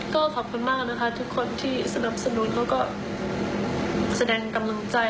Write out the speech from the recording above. ก็ขอบคุณมากนะคะทุกคนที่สนับสนุนเขาก็แสดงกำลังใจ